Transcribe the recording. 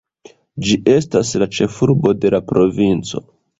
Ĝi estas la ĉefurbo de la provinco.